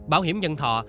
bảo hiểm nhân thọ